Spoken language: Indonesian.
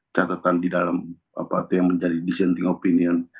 catatan di dalam apa itu yang menjadi dissenting opinion